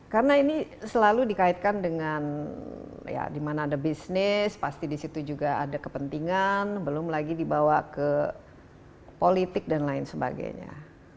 karena ini selalu dikaitkan dengan ya dimana ada bisnis pasti disitu juga ada kepentingan belum lagi dibawa ke politik dan lain sebagainya